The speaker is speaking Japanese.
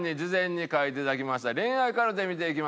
恋愛カルテ見ていきましょう。